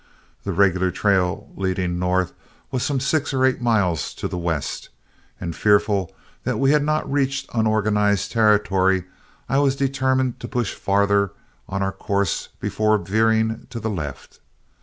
The regular trail leading north was some six or eight miles to the west, and fearful that we had not reached unorganized territory, I was determined to push farther on our course before veering to the left.